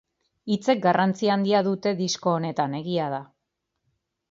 Hitzek garrantzia handia dute disko honetan, egia da.